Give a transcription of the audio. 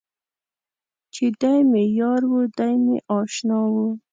چې دی مې یار و دی مې اشنا و.